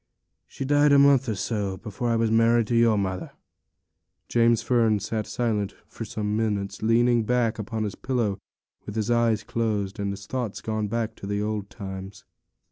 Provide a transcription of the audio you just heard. She died a month or so afore I was married to your mother.' James Fern was silent again for some minutes, leaning back upon his pillow, with his eyes closed, and his thoughts gone back to the old times.